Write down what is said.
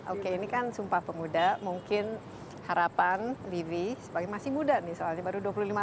oke ini kan sumpah pemuda mungkin harapan livi sebagai masih muda nih soalnya baru dua puluh lima tahun